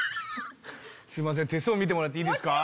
すいません手相見てもらっていいですか？